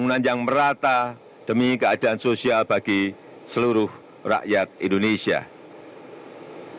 ucapan terima kasih juga kami sampaikan kepada seluruh partai koalisi seluruh relawan yang telah bekerja keras